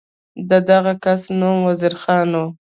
د دغه کس نوم وزیر خان و.